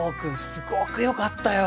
すごく良かったよ。